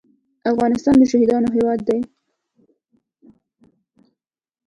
افغانستان د شهیدانو هیواد دی